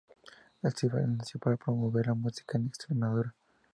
El Festival nació para promover la música en Extremadura.